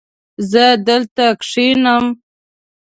زه دلته کښېنم